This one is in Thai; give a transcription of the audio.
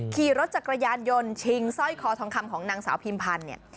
ขี่รถจักรยานยนต์ชิงสร้อยคอทองคำของนางสาวพิมพันธ์เนี่ย